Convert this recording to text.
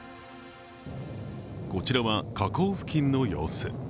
こちらは火口付近の様子。